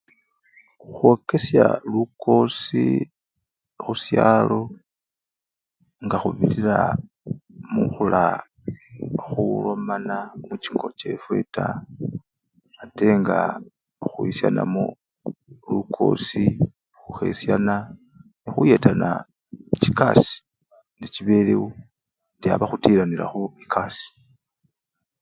Khwokesya lukosi khusyalo nga khubirira mukhula khulomana muchingo chefwe taa ate nga khwisyanamo lukosi, khukhesyana nekhuyetana chikasi nechibelewo indi aba khutilanilakho ekassi.